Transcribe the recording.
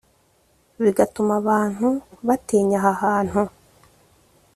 bigatuma abantu batinya aha hantu.